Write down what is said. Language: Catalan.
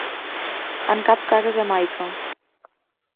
En cap cas a Jamaica.